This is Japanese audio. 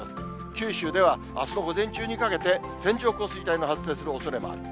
九州ではあすの午前中にかけて線状降水帯の発生するおそれもある。